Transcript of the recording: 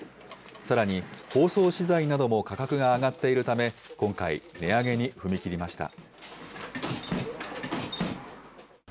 さらに、包装資材なども価格が上がっているため、今回、値上げに踏み切りました。